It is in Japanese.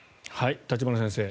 立花先生